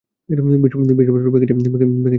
বিষপাত্র ভেঙেছে অথবা ভাঙেনি।